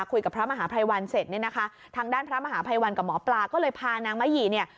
พระมหาภัยวันเสร็จเนี่ยนะคะทางด้านพระมหาภัยวันกับหมอปลาก็เลยพานางมะหยี่เนี่ย